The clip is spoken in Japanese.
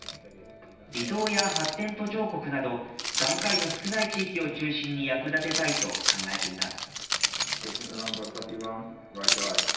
離島や発展途上国など、眼科医の少ない地域を中心に役立てたいと考えています。